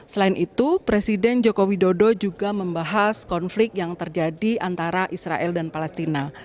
selain itu presiden joko widodo juga membahas konflik yang terjadi antara israel dan palestina